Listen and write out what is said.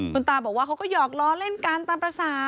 คุณตาบอกว่าเขาก็หยอกล้อเล่นกันตามภาษา